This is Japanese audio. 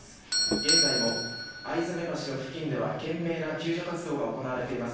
現在も逢初橋の付近では懸命な救助活動が行われています。